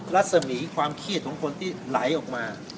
รัสมีความขี้ชละหลายที่ผ่านมา